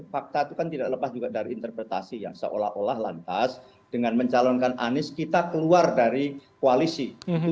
fakta itu kan tidak lepas juga dari interpretasi yang seolah olah lantas dengan mencalonkan anies kita keluar dari koalisi